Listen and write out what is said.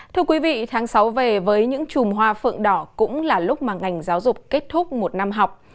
thưa quý vị tháng sáu về với những chùm hoa phượng đỏ cũng là lúc mà ngành giáo dục kết thúc một năm học